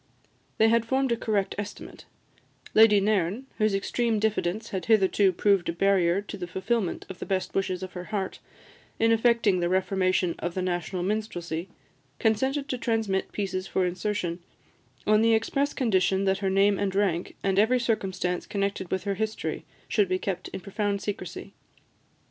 They had formed a correct estimate: Lady Nairn, whose extreme diffidence had hitherto proved a barrier to the fulfilment of the best wishes of her heart, in effecting the reformation of the national minstrelsy, consented to transmit pieces for insertion, on the express condition that her name and rank, and every circumstance connected with her history, should be kept in profound secrecy.